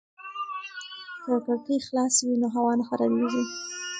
که کړکۍ خلاصې وي نو هوا نه خرابېږي.